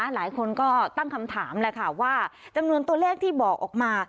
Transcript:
หลายคนก็ตั้งคำถามแล้วค่ะว่าจำนวนตัวเลขที่บอกออกมา